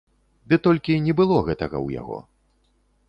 Ды толькі не было гэтага ў яго.